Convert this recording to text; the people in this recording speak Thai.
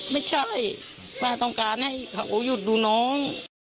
ไม่ใช่ป้าต้องการให้เขาหยุดดูน้อง